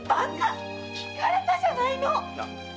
聞かれたじゃないの！